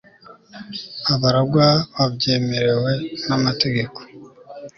abaragwa babyemerewe n'amategeko